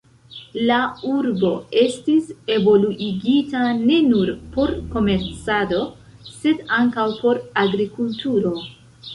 La urbo estis evoluigita ne nur por komercado, sed ankaŭ por agrikulturo.